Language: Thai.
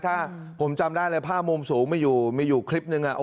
ถ้าผมจำได้เลยภาพมุมสูงมีอยู่มีอยู่คลิปนึง